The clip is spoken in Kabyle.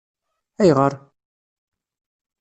Ayɣer?